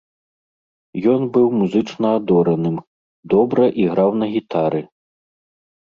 Ён быў музычна адораным, добра іграў на гітары.